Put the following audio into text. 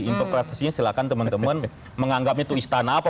interpretasinya silahkan teman teman menganggap itu istana apa